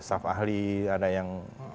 staff ahli ada yang